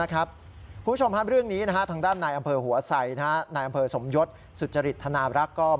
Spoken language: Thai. ทางด้านนายอำเภอหัวใส่นายอำเภอสมยุทธ์สุจริษฐณรักษ์